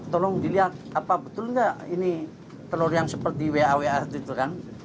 tolong dilihat betul nggak ini telur yang seperti wawa itu kan